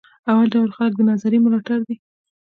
اول ډول خلک د نظریې ملاتړ دي.